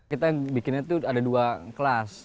kita bikinnya tuh ada dua kelas